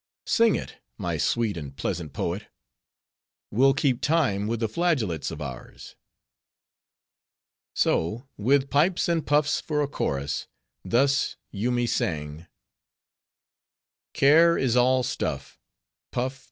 Sing it, my sweet and pleasant poet. We'll keep time with the flageolets of ours." "So with pipes and puffs for a chorus, thus Yoomy sang:— Care is all stuff:— Puff!